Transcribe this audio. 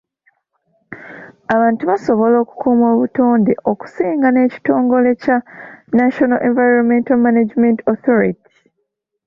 Abantu basobola okukuuma obutonde okusinga n'ekitongole kya National Environmental Management Authority.